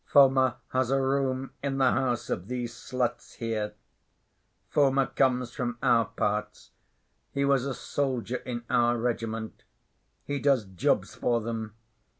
Foma has a room in the house of these sluts here. Foma comes from our parts; he was a soldier in our regiment. He does jobs for them.